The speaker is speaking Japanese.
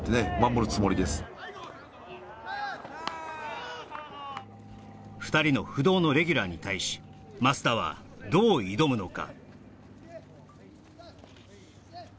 いやもう２人の不動のレギュラーに対し松田はどう挑むのか？